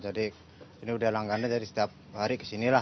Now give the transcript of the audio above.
jadi ini udah langganan jadi setiap hari ke sini lah